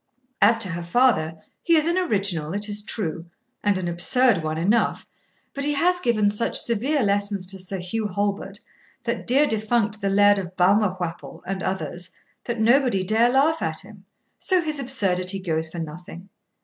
As to her father, he is an original, it is true, and an absurd one enough; but he has given such severe lessons to Sir Hew Halbert, that dear defunct the Laird of Balmawhapple, and others, that nobody dare laugh at him, so his absurdity goes for nothing.